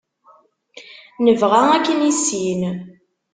Nebɣa ad k-nissin.